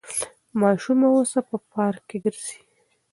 ماشومه اوس په پارک کې ګرځي.